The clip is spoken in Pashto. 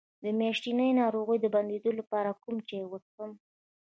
د میاشتنۍ ناروغۍ د بندیدو لپاره کوم چای وڅښم؟